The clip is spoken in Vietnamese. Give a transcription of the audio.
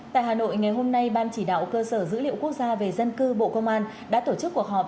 tại hà nội ngày hôm nay ban chỉ đạo cơ sở dữ liệu quốc gia về dân cư bộ công an đã tổ chức cuộc họp